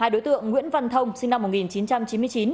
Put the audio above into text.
hai đối tượng nguyễn văn thông sinh năm một nghìn chín trăm chín mươi chín